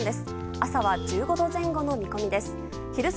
朝は１５度前後の見込みです。